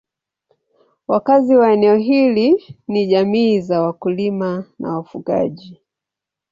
Wakazi wa eneo hili ni jamii za wakulima na wafugaji.